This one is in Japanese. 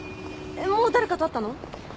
もう誰かと会ったの？